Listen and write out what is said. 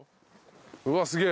うわっすげえ。